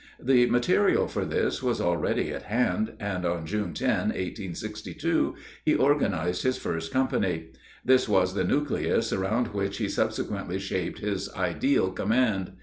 The material for this was already at hand, and on June 10, 1862, he organized his first company. This was the nucleus around which he subsequently shaped his ideal command.